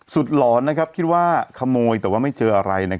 หลอนคิดว่าขโมยแต่ว่าไม่เจออะไร